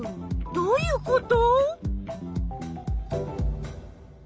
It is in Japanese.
どういうこと？